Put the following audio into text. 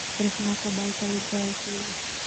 برېښنا کابل ته لېږدول کېږي.